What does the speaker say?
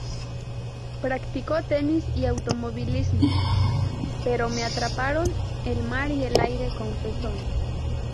Practicó tenis y automovilismo, pero ""me atraparon el mar y el aire"", confesó.